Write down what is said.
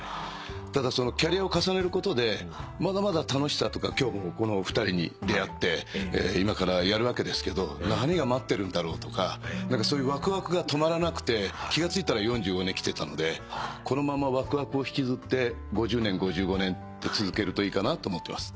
ただキャリアを重ねることでまだまだ楽しさとか今日もこのお二人に出会って今からやるわけですけど何が待ってるんだろうとかそういうワクワクが止まらなくて気が付いたら４５年きてたのでこのままワクワクを引きずって５０年５５年って続けるといいかなと思ってます。